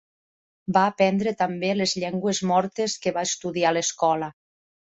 Va aprendre també les llengües mortes que va estudiar a l'escola.